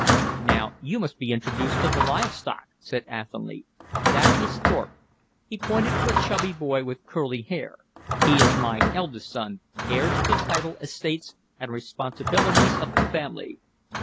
"Now you must be introduced to the live stock," said Athelny. "That is Thorpe," he pointed to a chubby boy with curly hair, "he is my eldest son, heir to the title, estates, and responsibilities of the family.